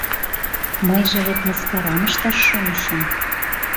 Мыйже вет мыскарам ышташ шонышым.